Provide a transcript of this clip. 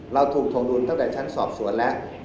เราถูกถวงดุลตั้งแต่ชั้นสอบสวนแล้ว